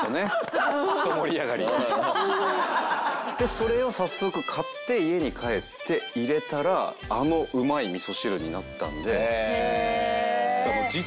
それを早速買って家に帰って入れたらあのうまい味噌汁になったので。